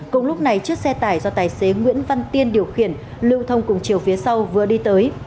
cùng lúc này chiếc xe tải do tài xế nguyễn văn tiên điều khiển lưu thông cùng chiều phía sau vừa đi tới